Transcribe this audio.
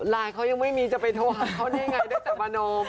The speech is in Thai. ไลน์เค้ายังไม่มีจะไปโทรหาเค้าได้ยังไงได้จากประโนม